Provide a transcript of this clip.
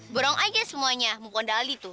borong aja semuanya mukodali tuh